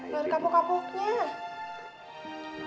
gak ada kapok kapoknya